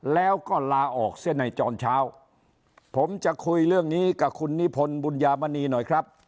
แล้วก็ลาออกเสียในตอนเช้าผมจะคุยเรื่องนี้กับคุณนิพนธ์บุญญามณีหน่อยครับ